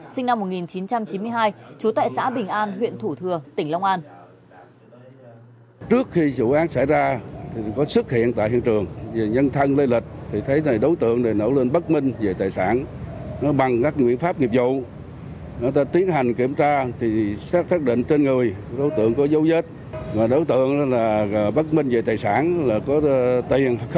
sinh năm một nghìn chín trăm chín mươi hai trú tại xã bình an huyện thủ thừa tỉnh long an